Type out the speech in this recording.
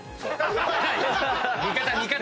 味方味方！